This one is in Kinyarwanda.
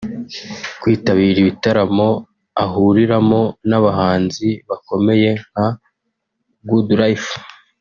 kwitabira ibitaramo ahuriramo n’abahanzi bakomeye nka Goodlyfe